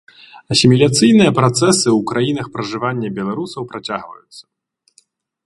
Асіміляцыйныя працэсы ў краінах пражывання беларусаў працягваюцца.